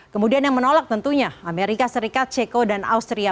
kemudian yang menolak tentunya amerika serikat ceko dan austria